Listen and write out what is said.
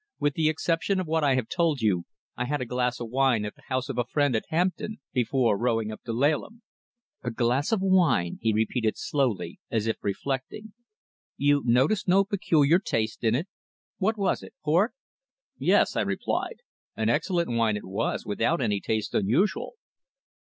"With the exception of what I told you, I had a glass of wine at the house of a friend at Hampton before rowing up to Laleham." "A glass of wine," he repeated slowly, as if reflecting. "You noticed no peculiar taste in it? What was it port?" "Yes," I replied. "An excellent wine it was, without any taste unusual."